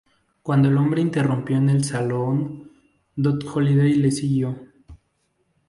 Cuando el hombre irrumpió en el saloon, Doc Holliday le siguió.